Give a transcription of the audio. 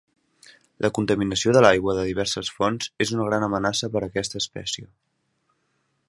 La contaminació de l'aigua de diverses fonts és una gran amenaça per a aquesta espècie.